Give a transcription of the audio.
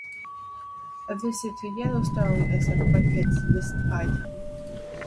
A visit to Yellowstone is a bucket list item.